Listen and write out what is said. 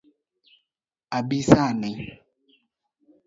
Abi sani?